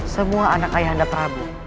semua anak ayah anda prabu